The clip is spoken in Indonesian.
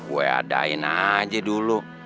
gue adain aja dulu